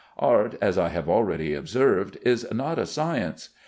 Art (as I have already observed) is not a science.